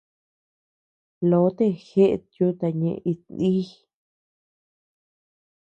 Lotee jeʼet yuta ñeʼe iti nïʼ.